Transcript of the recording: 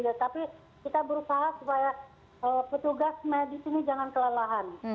tetapi kita berusaha supaya petugas medis ini jangan kelelahan